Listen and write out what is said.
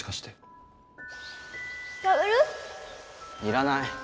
要らない。